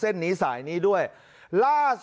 ฝั่งหนึ่งจะพาแม่ไปโรงพยาบาลก็น่าเห็นใจ